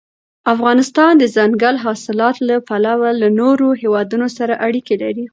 افغانستان د دځنګل حاصلات له پلوه له نورو هېوادونو سره اړیکې لري.